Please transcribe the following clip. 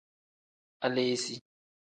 Aleesi.